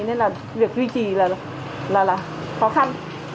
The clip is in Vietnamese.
nên là việc duy trì là khó khăn